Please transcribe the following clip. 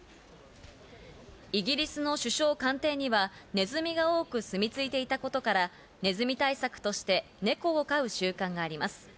イギリスの首相官邸にはネズミが多く住み着いていたことからネズミ対策としてネコを飼う習慣があります。